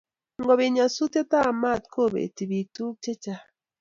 ngobit nyasutet ab maat kobet pik tukuk che chang